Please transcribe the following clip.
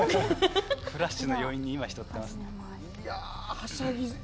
フラッシュの余韻に浸ってますね。